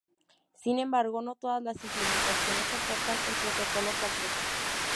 Sin embargo, no todas las implementaciones soportan el protocolo completo.